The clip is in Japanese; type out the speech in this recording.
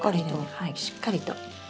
はいしっかりと。